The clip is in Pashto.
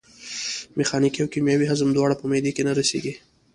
میخانیکي او کیمیاوي هضم دواړه په معدې کې نه رسېږي.